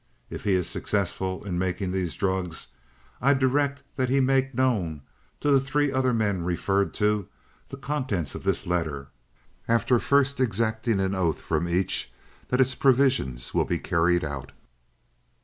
If he is successful in making these drugs, I direct that he make known to the three other men referred to, the contents of this letter, after first exacting an oath from each that its provisions will be carried out.